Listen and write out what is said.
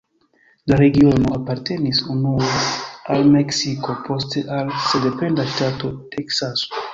La regiono apartenis unue al Meksiko, poste al sendependa ŝtato Teksaso.